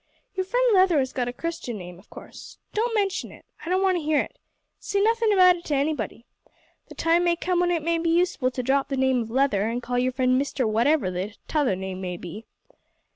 "Your friend Leather has got a Christian name of course. Don't mention it. I don't want to hear it. Say nothin' about it to anybody. The time may come when it may be useful to drop the name of Leather and call your friend Mister whatever the tother name may be.